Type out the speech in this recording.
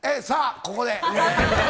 さあ、ここで。